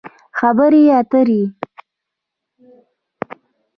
خبرې اترې